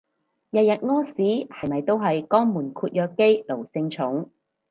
日日屙屎係咪都係肛門括約肌奴性重